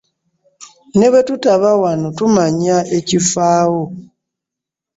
Ne bwe tutaba wano tumanya ekifaawo.